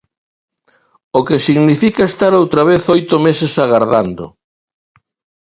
O que significa estar outra vez oito meses agardando.